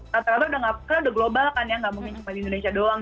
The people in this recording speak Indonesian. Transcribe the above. rata rata udah global kan ya nggak mungkin cuma di indonesia doang